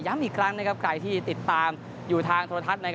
อีกครั้งใครที่ติดตามอยู่ทางโทรทัศน์